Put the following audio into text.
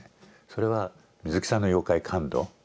それは水木さんの妖怪感度。